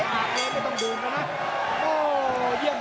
โหโหโห